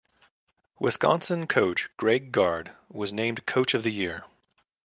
Wisconsin coach Greg Gard was named Coach of the Year.